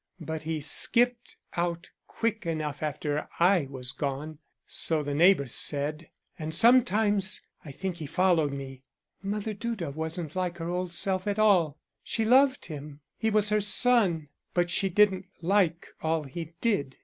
But he skipped out quick enough after I was gone, so the neighbors said, and sometimes I think he followed me. Mother Duda wasn't like her old self at all. She loved him, he was her son, but she didn't like all he did.